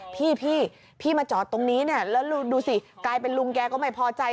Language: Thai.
พี่พี่มาจอดตรงนี้เนี่ยแล้วดูสิกลายเป็นลุงแกก็ไม่พอใจ